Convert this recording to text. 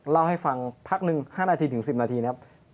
เล่าให้ฟังพักหนึ่ง๕นาทีถึง๑๐นาทีนะครับ